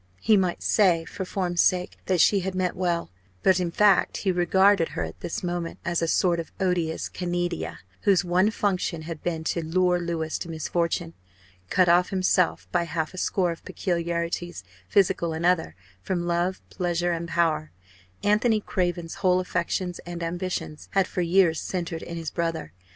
He might say for form's sake that she had meant well; but in fact he regarded her at this moment as a sort of odious Canidia whose one function had been to lure Louis to misfortune. Cut off himself, by half a score of peculiarities, physical and other, from love, pleasure, and power, Anthony Craven's whole affections and ambitions had for years centred in his brother.